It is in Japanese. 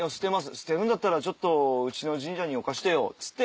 「捨てるんだったらうちの神社に置かしてよ」っつって